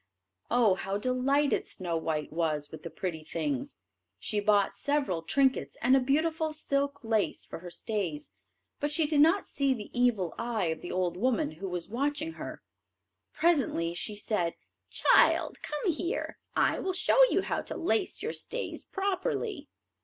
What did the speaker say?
Oh, how delighted Snow white was with the pretty things; she bought several trinkets, and a beautiful silk lace for her stays, but she did not see the evil eye of the old woman who was watching her. Presently she said, "Child, come here; I will show you how to lace your stays properly."